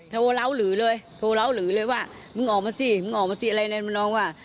โทรเล่าหลือเลยโทรเล้าหลือเลยว่ามึงออกมาสิมึงออกมาสิอะไรเนี่ยมันน้องว่า